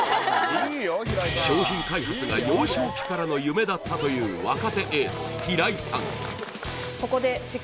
商品開発が幼少期からの夢だったという若手エース平井さん